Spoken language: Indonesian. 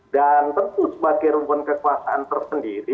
dan tentu sebagai rumpun kekuasaan tersendiri